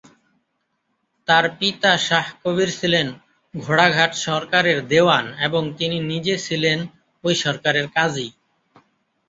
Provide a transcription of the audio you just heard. তার পিতা শাহ কবীর ছিলেন ঘোড়াঘাট সরকারের দেওয়ান এবং তিনি নিজে ছিলেন ওই সরকারের কাজী।